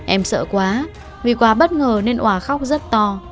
em sợ quá vì quá bất ngờ nên ỏa khóc rất to